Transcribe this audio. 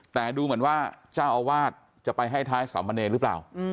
แต่ดูเหมือนว่าเจ้าอาวาสจะไปให้ท้ายสามเณรหรือเปล่า